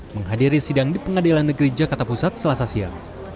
menghadiri sidang di pengadilan negeri jakarta pusat selasa siang